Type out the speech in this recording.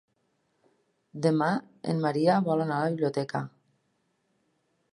Demà en Maria vol anar a la biblioteca.